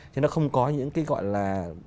chứ nó không có những cái gọi là